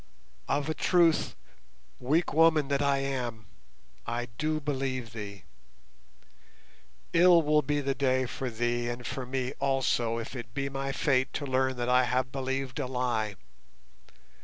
"Of a truth, weak woman that I am, I do believe thee. Ill will be the day for thee and for me also if it be my fate to learn that I have believed a lie.